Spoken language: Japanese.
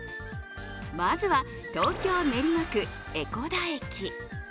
まずは東京・練馬区、江古田駅。